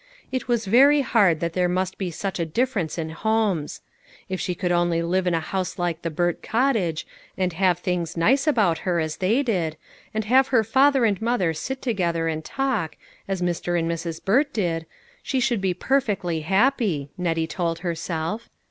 It was very hard that there must be such a difference in homes. If she could only live in a house like the Burt cottage, and have things nice about her as they did, and have her father and mother sit together and talk, as Mr. and Mrs. Burt did, she should be perfectly happy, Nettie told her self.